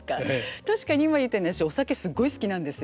確かに今言ったように私お酒すごい好きなんですよ。